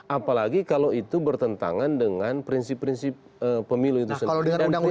apalagi kalau itu bertentangan dengan prinsip prinsip pemilu itu sendiri